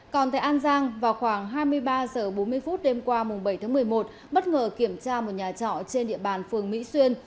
còn tại an giang vào khoảng hai mươi ba h bốn mươi phút đêm qua bảy tháng một mươi một bất ngờ kiểm tra một nhà trọ trên địa bàn phường mỹ xuyên